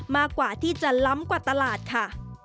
มากกว่าที่จะล้ำกว่าตลาดค่ะ